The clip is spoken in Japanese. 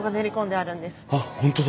あっ本当だ。